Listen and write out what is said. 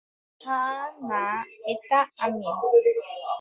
হা-না, এটা আমি।